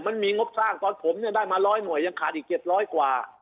มันมีงบสร้างตอนผมเนี่ยได้มา๑๐๐หน่วยยังขาดอีก๗๐๐กว่า